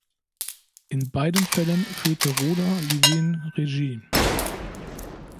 In beiden Fällen führte Rhoda Levine Regie.